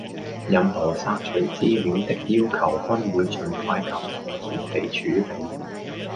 任何索取資料的要求均會盡快及妥善地處理